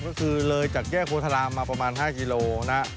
ก็คือเลยจากแยกโพธารามมาประมาณ๕กิโลนะ